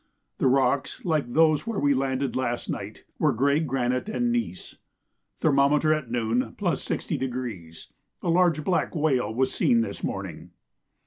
The rocks, like those where we landed last night, were grey granite and gneiss. Thermometer at noon +60°. A large black whale was seen this morning.